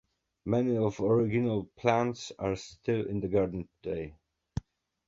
Many of the original plants are still in the garden today.